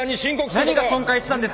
何が損壊したんですか？